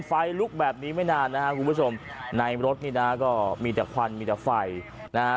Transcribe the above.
ไฟลุกแบบนี้ไม่นานนะครับคุณผู้ชมในรถนี่นะก็มีแต่ควันมีแต่ไฟนะฮะ